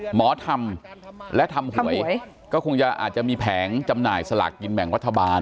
หมอทำและทำหวยก็คงจะอาจจะมีแผงจำหน่ายสลากกินแบ่งรัฐบาล